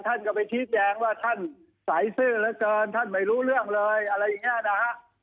ท่านก็ไปชี้แจงว่าท่านสายซื่อเหลือเกินท่านไม่รู้เรื่องเลยอะไรอย่างนี้นะฮะ